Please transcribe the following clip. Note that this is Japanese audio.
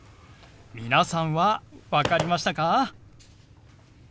皆さんは分かりましたか？